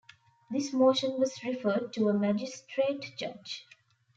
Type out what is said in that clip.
This motion was referred to a magistrate judge.